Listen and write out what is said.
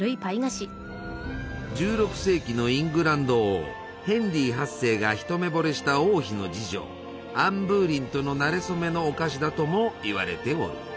１６世紀のイングランド王ヘンリー８世が一目ぼれした王妃の侍女アン・ブーリンとのなれ初めのお菓子だともいわれておる。